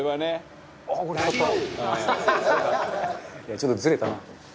「ちょっとずれたな」